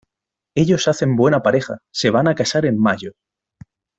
Ellos hacen buena pareja, se van a casar en mayo.